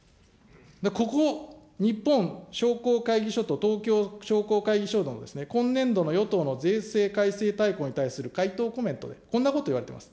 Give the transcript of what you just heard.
ここ、日本商工会議所と東京商工会議所の今年度の与党の税制改正大綱に対する回答コメントで、こんなこと言われてます。